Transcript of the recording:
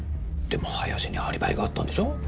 でも林にアリバイがあったんでしょ？